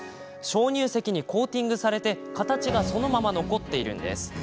鍾乳石にコーティングされて形がそのまま残っているんです。